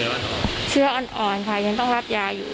แล้วก็ยังมีเชื้ออ่อนค่ะยังต้องรับยาอยู่